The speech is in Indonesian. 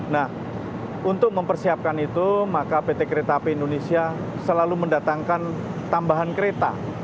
nah untuk mempersiapkan itu maka pt kereta api indonesia selalu mendatangkan tambahan kereta